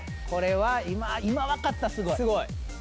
これは今分かったらすごい。